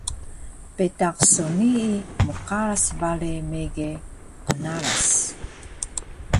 betaq so nii mqaras bale mege qnaras